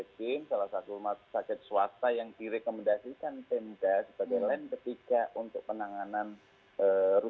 pihak rumah sakit qem menyatakan akan dilakukan mulai sabtu sembilan mei hingga delapan belas mei